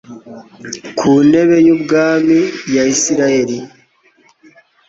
ku ntebe y ubwamii ya Isirayeli